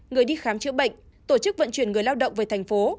người đi khám chữa bệnh tổ chức vận chuyển người lao động về thành phố